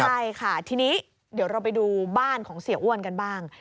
ใช่ค่ะทีนี้เดี๋ยวเราไปดูบ้านของเสียอ้วนกันบ้าง